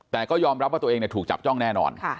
แต่ก็ยอมรับว่าตัวเองถูกจับจ้องแน่นอน